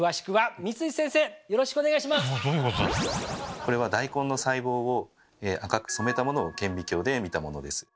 これは大根の細胞を赤く染めたものを顕微鏡で見たものです。